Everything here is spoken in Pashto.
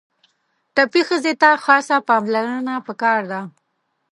ټپي ښځې ته خاصه پاملرنه پکار ده.